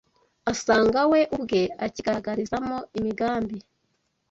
asanga we ubwe akigaragarizamo imigambi